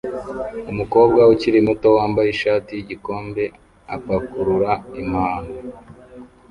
Umukobwa ukiri muto wambaye ishati yigikombe apakurura impano